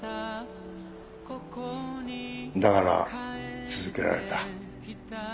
だから続けられた。